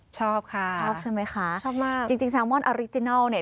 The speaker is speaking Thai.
ชอบค่ะชอบใช่ไหมคะชอบมากจริงจริงแซลมอนอริจินัลเนี่ย